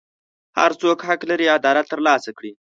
هر څوک حق لري عدالت ترلاسه کړي.